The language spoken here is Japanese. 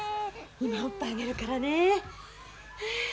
今おっぱいあげるからね。